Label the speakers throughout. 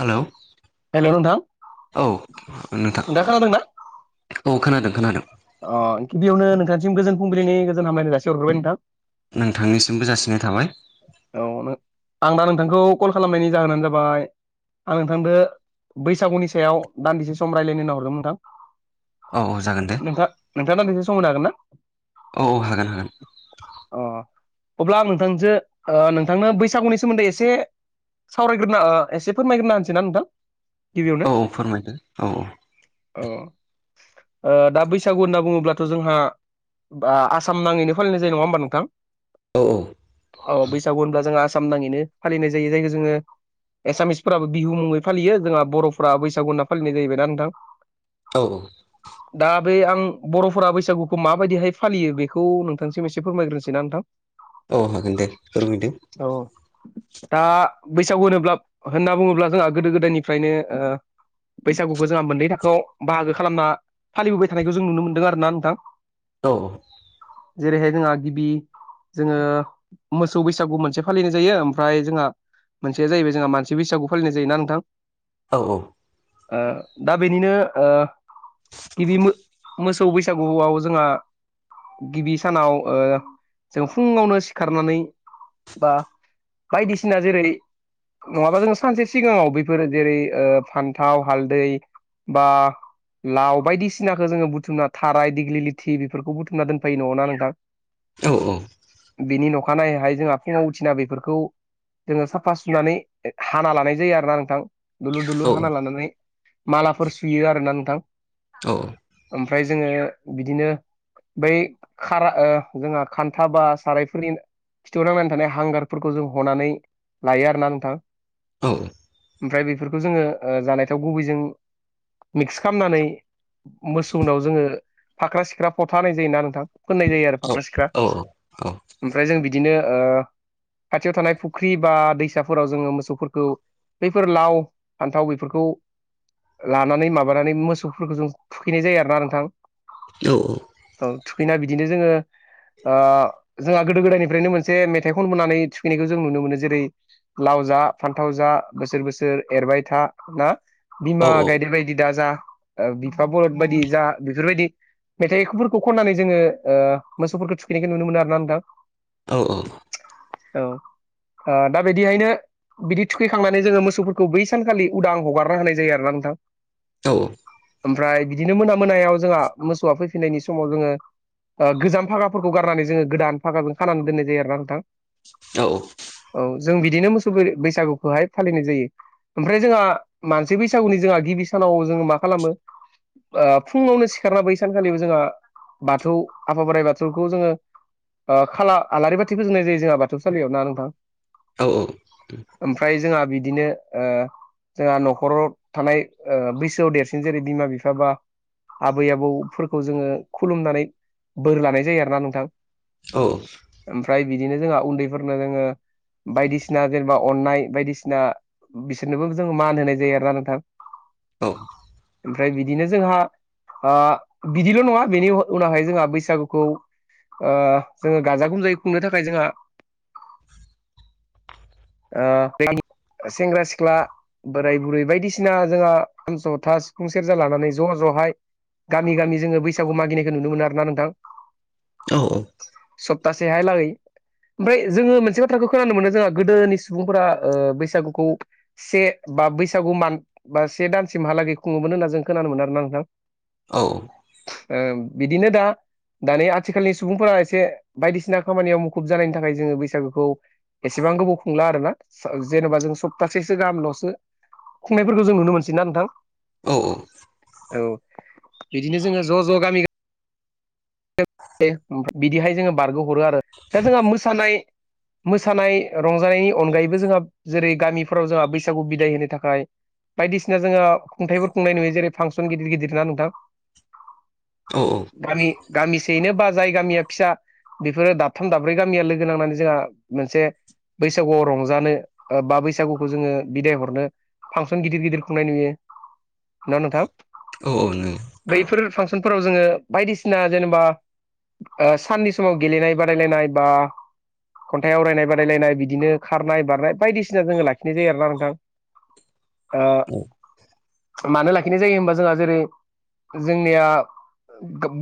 Speaker 1: Hello
Speaker 2: hello नोंथां
Speaker 1: औ नोंथां
Speaker 2: नोंथाङा खोनादोंना
Speaker 1: औ खोनादों खोनादों
Speaker 2: अ गिबियावनो नोंथांसिमज फुंबिलिनि गोजोन हामलायनाय जासि हरग्राय नोंथां
Speaker 1: नोंथांनिसिमबो जासिनाय थाबाय
Speaker 2: औ आं दा नोंथांखौ कल खालामनायनि जाहोनानो जाबाय आं नोंथांदो बैसागुनि सायाव दान्दिसे सम रायज्लायनो नाहरदों नोंथां।
Speaker 1: औ औ जागोन दे
Speaker 2: नोंथां नोंथाङा दसे समहोनो हागोना?
Speaker 1: औ औ हागोन हागोन
Speaker 2: अ अब्ला आं नोंथांजो ओ नोंथांनो बैसागुनि सोमोन्दै एसे सावरायग्रोनो ओ एसे फोरमायग्रोन होनोसै ना नोंथां। गिबियावनो
Speaker 1: औ फोरमायदो औ औ
Speaker 2: औ ओ दा बैसागु होनना बुङोब्लाथ' जोंहा बा आसाम नाङैनो फालिनाय जायो नङा होमबा नोंथां?
Speaker 1: औ औ
Speaker 2: अ बैसागु होनब्ला जोंहा आसाम नाङैनो फालिनाय जायो जायखौ जोङो एसामिसफोराबो बिहु मुङै फालियो जोंहा बर'फोरा बैसागु होनना फालिनाय जाहैबाय ना नोंथां?
Speaker 1: औ औ
Speaker 2: [inaudible] दा बे आं बर'फोरा बैसागुखौ माबायदिहाय फालियो बेखौ नोंथांसिम एसे फोरमायग्रोनोसै ना नोंथां?
Speaker 1: औ हागोन दे फोरमायदो
Speaker 2: औ दा बैसागु होनोब्ला होनना बुङोब्ला जोंहा गोदो गोदायनिफ्रायनो ओ बैसागुखौ जोंहा मोननै थाखोआव बाहागो खालामना फालिबोबाय थानायखौ जों नुनो मोनदों आरो ना नोंथां।
Speaker 1: औ
Speaker 2: जेरैहाय जोंहा गिबि जोङो मोसौ बैसागु मोनसे फालिनाय जायो ओमफ्राय जोंहा मोनसेया जाहैबाय जोंहा मसि बैसागु फालिनाय जोना नोंथां
Speaker 1: औ औ
Speaker 2: ओ दा बेनिनो ओ गिबि मो-मोसौ बैसागुआव जोंहा गिबि सानाव ओ जों फुङावनो सा खारनानै बा बायदिसिना जेरै नङाबा जोङो सानसे सिगाङाव बेफोरो जेरै ओ फान्थाव हालदै बा लाव बायदिसिनाखौ जोङो बुथुमना थाराय दिग्लि लथि बेफोरखौ बुथुमना दोनफैायो नङ ना नोंथां
Speaker 1: औ औ
Speaker 2: बिनि नखानायैहाय जोंहा फुङाव उथिना बेफोरखौ जोङो साफा सुनानै हाना लानाय जायो आरोना नोंथां। दुलुर दुलुर हाना लानानै मालाफोर सुयो आरोना नोंथां
Speaker 1: औ
Speaker 2: ओमफ्राय जोङो बिदिनो बै खारा ओ जोंहा खान्था बा साराय फोरनि खिथुआवनांनानै थानाय हांगारफोरखौ जों हनानै लायो आरोना नोंथां।
Speaker 1: औ
Speaker 2: ओमफ्राय बेफोरखौ जोङो जानाय थाव गुबैजों मिक्स खालामनानै मोसौनाव जोङो फाख्रा सिख्रा फथा होनाय जायोना नोंथां फनाय जायो आरो।
Speaker 1: औ
Speaker 2: फाख्रा सिख्रा
Speaker 1: औ औ
Speaker 2: ओमफ्राय जों बिदिनो ओ खाथियाव थानाय फुख्रि बा दैसाफोराव जोङो मोसौफोरखौ बैफोर लाव फान्थाव बेफोरखौ लानानै माबानानै मोसौफोरखौ जों थुखैनाय जायो आरोना नोंथां।
Speaker 1: औ औ।
Speaker 2: थुखैना बिदिनो जोङो ओ जोंहा गोदो गोदायनिफ्रायनो मोनसे मेथाइ खन बोनानै थुखैनायखौ जों नुनो मोनो जेरै लाव जा फान्थाव जा बोसोर बोसोर एरबाय था ना? बिमा गायदेर बायदि दा जा बिफा बलद बायदि जा बेफोरबायदि मेथाइफोरखौ खननानै जोङो मोसौफोरखौ थुखैनायखौ नुनो मोनो आरोना नोंथां।
Speaker 1: औ औ।
Speaker 2: औ दा बिदिहायनो बिदि थुखैखांनानै जोङो मोसौफोरखौ बै सानखालि उदां हगारना होनाय जायो आरोना नोंथां।
Speaker 1: औ औ।
Speaker 2: ओमफ्राय बिदिनो मोना मोनायाव जोंहा मोसौआ फैफिननायनि समाव जोङो आ गोजाम भागाफोरखौ गारनानै जोङो गोदान भागाजों खानानै दोननाय जायो आरोना नोंथां।
Speaker 1: औ औ।
Speaker 2: औ जों बिदिनो मोसौ बै-बैसागुखौहाय फालिनाय जायो। ओमफ्राय जोंहा मानसि बैसागुनि जोंहा गिबि सानाव जोङो मा खालामो फुङावनो सिखारना बै सानखालिबो जोंहा बाथौ आफा बोराइ बाथौखौ जोङो आ खाला आलारि बाथि फुजोंनाय जायो जोंहा बाथौसाालियाव ना नोंथां?
Speaker 1: औ औ।
Speaker 2: ओमफ्राय जोंहा बिदिनो ओ जोंहा न'खराव थानाय बैसोआव देरसिन जेरै बिमा बिफा बा आबै आबौफोरखौ जोङो खुलुमनानै बोर लानाय जायो आरोना नोंथां।
Speaker 1: औ।
Speaker 2: ओमफ्राय बिदिनो जोंहा उन्दैफोरनो जोङो बायदिसिना जेनेबा अननाय बायदिसिना बिसोरनोबो जोङ मान होनाय जायो आरो ना नोंथां।
Speaker 1: औ।
Speaker 2: ओमफ्राय बिदिनो जोंहा आ बिदिल' नङा बेनि उनावहाय जोंहा बैसागुखौ ओ जोङो गाजा गोमजायै खुंनो थाखाय जोंहा ओ [unintelligible] सेंग्रा सिख्ला बोराय बुरै बायदिसिना जोंहा खाम ज'था सिफुं सेरजा लानानै ज' ज'हाय गामि गामि जोङो बैसागु मागिनायखौ नुनो मोनो आरोना नोंथां।
Speaker 1: औ औ।
Speaker 2: सप्ताहसेहा लागै ओमफ्राय जोङो मोनसे बाथ्राखौ खोनानो मोनो जोंहा गोदोनि सुबुंफोरा बैसागुखौ से बा बैसागु मान बा से दानसिमहालागै खुङोमोन होनना जों खोनानो मोनोन आरो ना नोंथां।
Speaker 1: औ।
Speaker 2: बिदिनो दा दानि आ आथिखालनि सुबुंफोरा एसे बायदिसिना खामानियाव मुखुब जानायनि थाखाय जोङो बैसागोखौ एसेबां गोबाव खुंला आरो ना सा जेनेबा जों सप्तासेसो गाहामल'सो खुंनायफोरखौ जों नुनो मोनसै ना नोंथां?
Speaker 1: औ औ।
Speaker 2: औ बिदिनो जोङो ज' ज' गामि [unintelligible] बिदिहाय जोङो बारग'हरो आरो दा जोंहा मोसानाय मोसानाय रंजानायनि अनगायैबो जोंहा जेरै गामिफोराव जोंहा बैसागु बिदाय होनो थाखाय बायदिसिना जोङो खुंथाइफोर खुंनाय नुयो जेरै फांसन गिदिर गिदिर ना नोंथां?
Speaker 1: औ औ।
Speaker 2: गामि गामिसेयैनो बा जाय गामिया फिसा बेफोरो दाबथाम दाब्रै गामिया लोगो नांनानै जोंहा मोनसे बैसागुआव रंजानो बा बैसागुखौ जोङो बिदाय हरनो। फांसन गिदिर गिदिर खुंनाय नुयो। ना नोंथां बैफोर फांसनफोराव जोङो बायदिसिना सिना जेनेबा साननि समाव गेलेनाय बादायलायनाय बा खन्थाइ आवरायनाय बादायलायनाय बिदिनो खारनाय बारनाय बायदिसिना जोङो लाखिनाय जायो आरोना नोंथां ओ मानो लाख नाय जायो होनबा जोंहा जेरै जोंनिया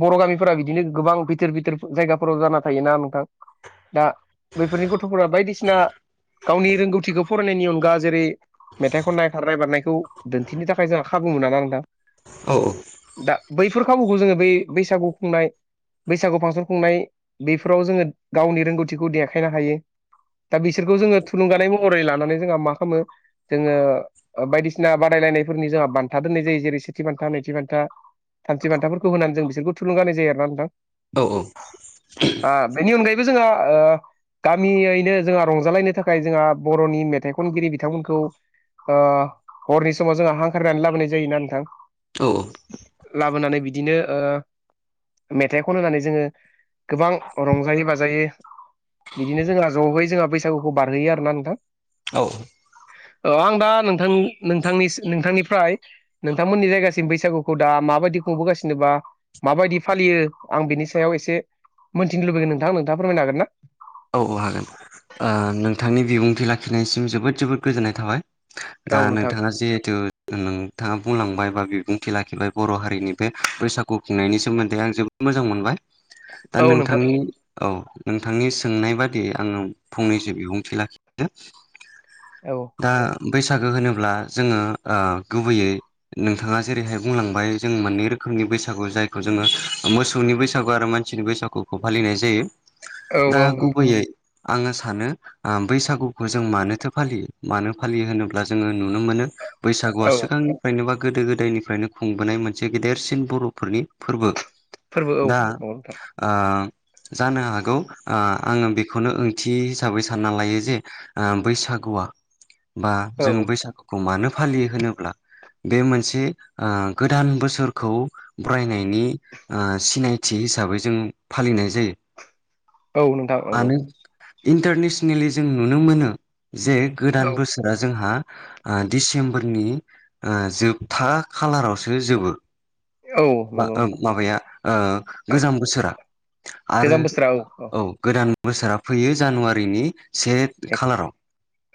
Speaker 2: बर' गामिफोरा बिदिनो गोबां बिथोर बिथोर जायगाफोराव जाना थायोना नोंथां दा बैफोरनि गथ'फोरा बायदिसिना गावनि रोंगौथिखौ फरायनायनि अनगा जेरै मेथाइखौ नायथारनाय बारनायखौ दिन्थिनो थाखाय जोंहा खाबु मोना ना नोंथां।
Speaker 1: औ औ
Speaker 2: दा बैफोर खाबुखौ जोङो बै बैसागु खुंनाय बैसागु फांसन खुंनाय बेफोराव जोङो गावनि रोंगौथिखौ देखायनो हायो। दा बिसोरखौ जोङो थुलुंगानाय महरै लानानै जोंहा मा खालामो जोङो बायदिसिना बादायलायनायफोरनि जोंहा बान्था दोननाय जायो जेरै सेथि बान्था नैथि बान्था थामथि बान्थाफोरखौ होनानै जों बिसोरखौ थुलुंगानाय जायो आरो ना नोंथां।
Speaker 1: औ औ
Speaker 2: ओ बेनि अनगायैबो जोंहा ओ गामियैनो जोंहा रंजालायनो थाखाय जोंहा बर'नि मेथाइ खनगिरि बिथांमोनखौ ओ हरनि समाव जोंहा हांखारनानै लाबोनाय जायोना नोंथां। लाबोनानै बिदिनो ओ मेथाइ खन होननानै जोङो गोबां रंजायै बाजायै बिदिनो जोंहा ज'है जोंहा बैसागुखौ बारहोयो आरो ना नोंथां
Speaker 1: औ
Speaker 2: औ आं दा नोंथां नोंथांनि नोंथांनिफ्राय नोंथांमोननि जायगासिम बैसागुखौ दा माबायदि खुंबोगासिनोबा माबायदि फालियो आं बेनि सायाव एसे मोनथिनो लुबैगोन नोंथां नोंथाङा फोरमायनो हागोन ना?
Speaker 1: औ औ हागोन ओ नोंथांनि बिबुंथि लाखिनायसिम जोबोद जोबोद गोजोननाय थाबाय।
Speaker 2: औ
Speaker 1: दा
Speaker 2: नोंथां
Speaker 1: नोंथाङा जिहेथु नोंथाङा बुंलांबाय बा बिबुंथि लाखिबाय बर' हारिनि बे बैसागु खुंनायनि सोमोन्दै आं जेबोद मोजां मोनबाय दा
Speaker 2: औ नोंथां
Speaker 1: नोंथांनि औ नोंथांनि सोंनाय बादियै आङो फंनैसो बिबुंथि लाखिनो
Speaker 2: औ
Speaker 1: दा बैसागो होनोब्ला जोङो ओ गुबैयै नोंथाङा जेरैहाय बुंलांबाय जों मोननै रोखोमनि बैसागु जायखौ जोङो मोसौनि बैसागु आरो मान सिनि बैसागुखौ फालिनाय जायो
Speaker 2: औ
Speaker 1: दा
Speaker 2: औ नोंथां
Speaker 1: गुबैयै आङो सानो बैसागुखौ जों मानोथो फालियो मानो फालियो होनोब्ला जोङो नुनो मोनो बैसागुआ
Speaker 2: औ
Speaker 1: सिगांनि फ्रायनोबा गोदो गोदायनिफ्रायनो खुंबोनाय मोनसे गेदेरसिन बर'फोरनि फोरबो
Speaker 2: फोरबो औ
Speaker 1: दा
Speaker 2: नंगौ नोंथां
Speaker 1: ओ जानो हागौ ओ आङो बेखौनो ओंथि हिसाबै सानना लायो जे ओ बैसागुआ बा जोङो
Speaker 2: औ
Speaker 1: बैसागुखौ मानो फालियो होनोब्ला बे मोनसे ओ गोदान बोसोरखौ बरायनायनि ओ सिनायथि हिसाबै जों फालिनाय जायो।
Speaker 2: औ नोंथां नंगौ
Speaker 1: मानो इन्टारनेसनेलि जों नुनो मोनो जे गोदान
Speaker 2: औ
Speaker 1: बोसोर जोंहा ओ डिसेम्बरनि ओ जोबथा खालारावसो जोबो
Speaker 2: औ
Speaker 1: बा
Speaker 2: नंगौ नोंथां
Speaker 1: माबाया गोजाम बोसोरा आरो
Speaker 2: गोजाम बोसोरा औ औ
Speaker 1: औ गोदान बोसोरा फैयो जानुवारिनि से
Speaker 2: औ
Speaker 1: खालाराव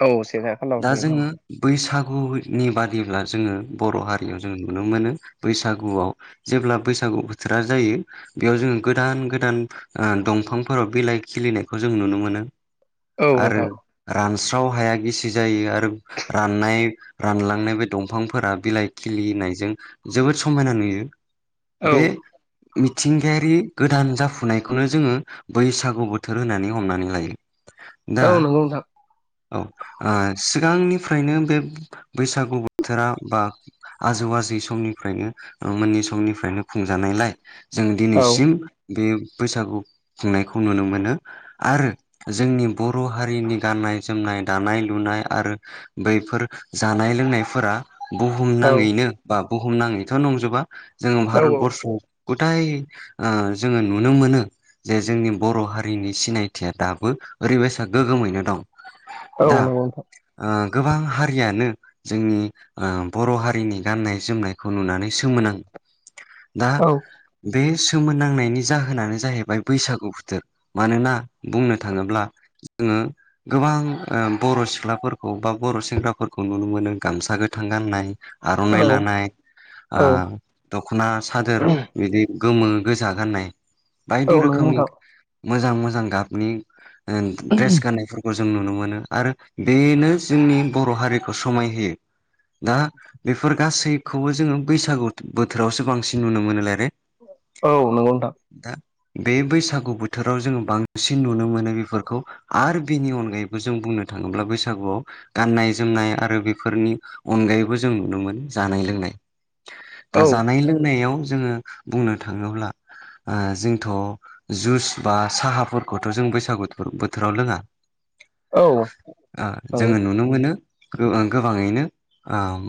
Speaker 2: औ से खालाराव
Speaker 1: दा
Speaker 2: फैयो
Speaker 1: जोङो बैसागुनि बादिब्ला जोङो बर' हारियाव जों नुनो मोनो बैसागुआव जेब्ला बैसागु बोथोरा जायो बेयाव जोङो गोदान गोदान ओ दंफां फोराव बिलाइ खिलिनायखौ जों नुनो मोनो
Speaker 2: औ
Speaker 1: आरो
Speaker 2: नोंथां
Speaker 1: रानस्राव हाया गिसि जायो आरो राननाय रानलांनाय बे दंफांफोरा बिलाइ खिलिनायजों जोबोद समायना नुयो।
Speaker 2: औ
Speaker 1: बे मिथिंगायारि गोदान जाफुनायखौनो जोङो बैसागु बोथोर होननानै हमनानै लायो दा
Speaker 2: औ नंगौ नोंथां
Speaker 1: औ ओ सिगांनिफ्रायनो बे बैसागु बोथोरा बा आजौ आजै समनिफ्रायनो मोनि समनिफ्रायनो खुंजानायलाय जों
Speaker 2: औ
Speaker 1: दिनैसिम बे बैसागु खुंनायखौ नुनो मोनो। आरो जोंनि बर' हारिनि गाननाय जोमनाय दानाय लुनाय आरो बैफोर जानाय लोंनायफोरा बुहुम
Speaker 2: औ
Speaker 1: नाङैनो बा बुहुम नाङैथ' नंजोबा जोङो
Speaker 2: औ
Speaker 1: भारतबर्सआव गथाय ओ जोङो नुनो मोनो। जे जोंनि बर' हारिनि सिनायथिया दाबो ओरैबायसा गोग्गोमैनो दं
Speaker 2: औ
Speaker 1: दा
Speaker 2: नंगौ नोंथां
Speaker 1: ओ गोबां हारियानो जोंनि ओ बर' हारिनि गाननाय जोमनायखौ नुनानै सोमोनांङो
Speaker 2: [inaudible]
Speaker 1: दा बे सोमोनांनायनि जाहोनानो जाहैबाय बैसागु बोथोर मानोना बुंनो थाङोब्ला जोङो गोबां ओ बर' सिख्लाफोरखौ बा बर' सेंग्राफोरखौ नुनो मोनो गामसा गोथां गाननाय
Speaker 2: औ
Speaker 1: आर'नाइ लानाय
Speaker 2: औ
Speaker 1: ओ दख'ना सादोर बिदि गोमो गोजा गाननाय
Speaker 2: औ
Speaker 1: बायदि रोखोम
Speaker 2: नंगौ नोंथां
Speaker 1: मोजां मोजां गाबनि ओ द्रेस गाननायफोरखौ जों नुनो मोनो आरो बेनो जोंनि बर' हारिखौ समायहोयो। दा बेफोर गासैखौबो जोङो बैसागु बोथोरावसो बांसिन नुनो मोनोलायो।
Speaker 2: औ नोंगौ नोंथां।
Speaker 1: दा बे बैसागु बोथोराव जोङो बांसिन नुनो मोनो बेफोरखौ आरो बेनि अनगायैबो जों बुंनो थाङोब्ला बैसागुआव गाननाय जोमनाय आरो बेफोरनि अनगायैबो जों नुनो मोनो जानाय लोंनाय दा
Speaker 2: औ
Speaker 1: जानाय लोंनायाव जोङो बुंनो थाङोब्ला ओ जोंथ' जुस बा साहाफोरखौथ' जों बैसागु बोथोराव लोङा
Speaker 2: औ
Speaker 1: ओ
Speaker 2: नंगौ
Speaker 1: जोङो नुनो मोनो गो गोबाङैनो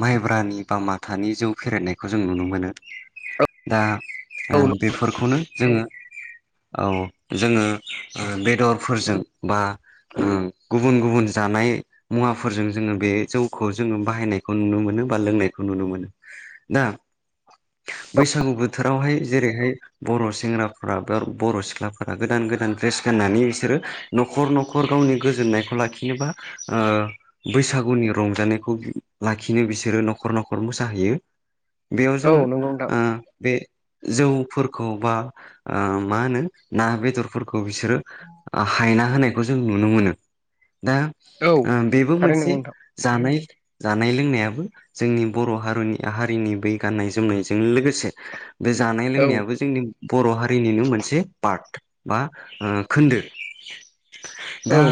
Speaker 1: माइब्रानि बा माथानि जौ फेरनायखौ जों नुनो मोनो।
Speaker 2: औ
Speaker 1: दा ओ बेफोरखौनो जोङो। औ जोङो बेदरफोरजों बा ओ गुबुन गुबुन जानाय। मुवाफोरजों जोङो बे जौखौ जोङो बाहायनायखौ नुनो मोनो बा लोंनायखौ नुनो मोनो। दा बैसागु बोथोरावहाय जेरैहाय बर' सेंग्राफोरा बा बर' सिख्लाफोरा गोदान गोदान ड्रेस गाननानै बिसोरो न'खर न'खर गावनि गोजोननायखौ लाखिनोबा ओ बैसागुनि रंजानायखौ लाखिनो बिसोरो नखर न'खर मोसाहैयो। बेयाव
Speaker 2: औ
Speaker 1: जोङो
Speaker 2: नंगौ नोंथां
Speaker 1: ओ बे जौ खौ बा ओ ना बेदरफोरखौ बिसोर हाय होनाय खौ जों नुनो मोनो दा
Speaker 2: औ
Speaker 1: ओ बेबो
Speaker 2: थारैनो नंगौ
Speaker 1: मोनसे
Speaker 2: नोंथां
Speaker 1: जानाय जानाय लोंनायाबो जोंनि बर' हार'नि हारिनि बै गाननाय जोमनायजों लोगोसे बे जानाय
Speaker 2: औ
Speaker 1: लोंनायाबो जोंनि बर' हारिनिनो मोनसे पार्ट बा खोन्दो दा
Speaker 2: औ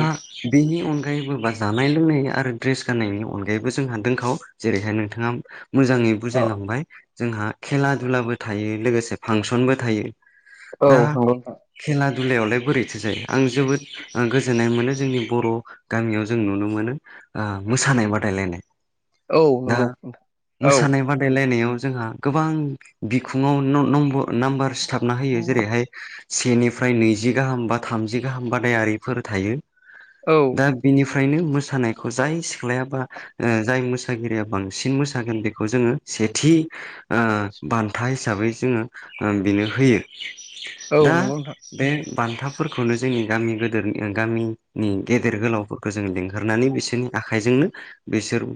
Speaker 1: बेनि अनगायैबो बा जानाय लोंनाय आरो ड्रेस गाननायनि अनगायैबो जोंहा दंखाव जेरैहाय नोंथाङा मोजाङै बुजायलांबाय। जोंहा खेला दुलाबो थायो लोगोसे फांसनबो थायो।
Speaker 2: औ
Speaker 1: दा
Speaker 2: नंगौ नोंथां
Speaker 1: खेला दुलायावलाय बोरैथो जायो। आं जोबोद गोजोननाय मोनो जोंनि बर' गामियाव जों नुनो मोनो। मोसानाय बादायलायनाय।
Speaker 2: औ
Speaker 1: दा
Speaker 2: नंगौ नोंथां औ
Speaker 1: मोसानाय बादायलायनायाव जोंहा गोबां बिखुङाव नाम्बार सिथाबना
Speaker 2: औ
Speaker 1: होयो। जेरैहाय सेनिफ्राय नैजि गाहाम बा थामजि गाहाम बादायारिफोर थायो।
Speaker 2: औ।
Speaker 1: दा बिनिफ्रायनो मोसानायखौ जाय सिख्लाया बा जाय मोसागिरिया बांसिन मोसागोन बेखौ जोङो सेथि बान्था हिसाबै जोङो बेनो होयो।
Speaker 2: औ
Speaker 1: दा
Speaker 2: नंगौ नोंथां।
Speaker 1: बे बान्थाफोरखौनो जोंनि गामि गोद गामिनि गेदेर गोलाव खौ जों लिंहरनानै बिसोरनि आखाइजोंनो बिसोर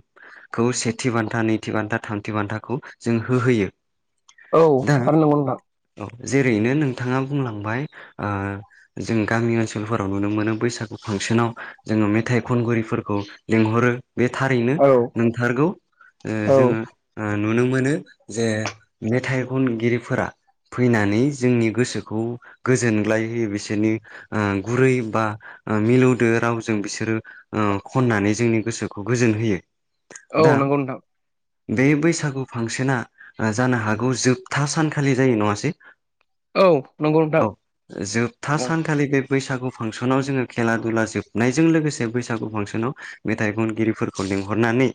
Speaker 1: खौ सेथि बान्था, नैथि बान्था, थामथि बान्थाखौ जों होहोयो।
Speaker 2: औ
Speaker 1: दा
Speaker 2: थार नंगौ नोंथां।
Speaker 1: औ जेरैनो नोंथाङा बुंलांबाय जों गामि ओनसोलफोराव नुनो मोनो बैसागु फांसनाव जोङो मेथाइ खनगिरिफोरखौ लिंहरो। बे थारैनो
Speaker 2: औ
Speaker 1: नंथारगौ।
Speaker 2: औ।
Speaker 1: जोङो नुनो मोनो जे मेथाइ खनगिरिफोरा फैनानै जोंनि गोसोखौ गोजोनग्लाय होयो। बिसोरनि गुरै बा मिलौदो रावजों बिसोरो खननानै जोंनि गोसोखौ गोजोन होयो।
Speaker 2: औ
Speaker 1: दा
Speaker 2: नंगौ नोंथां
Speaker 1: बे बैसागु फांसना जानो हागौ जोबथा सान खालि जायो नङासै।
Speaker 2: औ नंगौ
Speaker 1: औ
Speaker 2: नोंथां।
Speaker 1: जोबथा
Speaker 2: औ
Speaker 1: सानखालि बे बैसागु फांसनाव जोङो खेला दुला जोबनायजों लोगोसे बैसागु फांसनाव मेथाइ खनगिरिफोरखौ लिंहरनानै